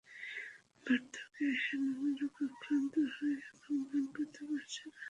বার্ধক্যে এসে নানা রোগে আক্রান্ত হয়ে এখন গান করতে পারছি না।